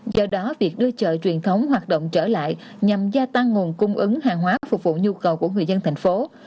do đó việc đưa chợ truyền thống hoạt động trở lại nhằm gia tăng nguồn cung ứng hàng hóa phục vụ nhu cầu của người dân thành phố